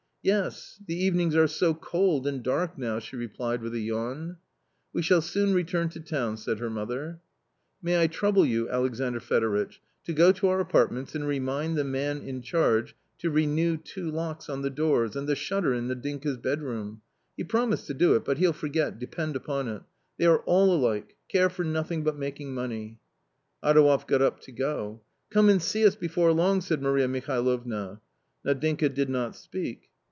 " Yes, the evenings are so cold and dark now," she replied with a yawn. " We shall soon return to town," said her mother. " May I trouble you, Alexandr Fedoritch, to go to our apartments and remind the man in charge to renew two locks on the doors, and the shutter in Nadinka's bedroom. He promised to do it, but he'll forget, depend upon it. They are all alike ; care for nothing but making money." Adouev got up to go. " Come and see us before long !" said Maria Mihalovna. Nadinka did not speak.